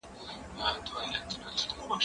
زه به انځورونه رسم کړي وي